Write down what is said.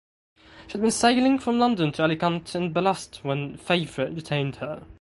She had been sailing from London to Alicante in ballast when "Favorite" detained her.